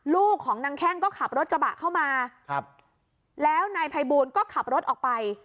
ลูกของนางแข้งก็ขับรถกระบะเข้ามาครับแล้วนายภัยบูลก็ขับรถออกไป